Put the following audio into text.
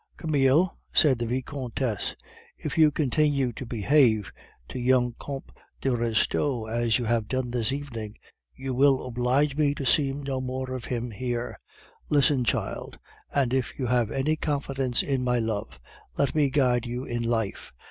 "Camille," said the Vicomtesse, "if you continue to behave to young Comte de Restaud as you have done this evening, you will oblige me to see no more of him here. Listen, child, and if you have any confidence in my love, let me guide you in life.